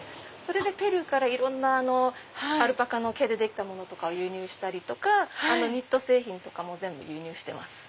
ペルーからいろんなアルパカの毛でできたものを輸入したりニット製品とかも全部輸入してます。